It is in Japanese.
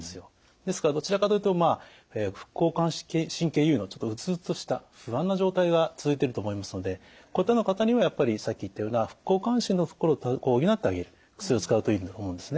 ですからどちらかというとまあ副交感神経優位のちょっとうつうつとした不安な状態が続いてると思いますのでこういったような方にはやっぱりさっき言ったような副交感神経のところを補ってあげる薬を使うといいと思うんですね。